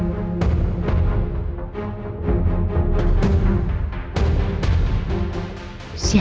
mana itu pak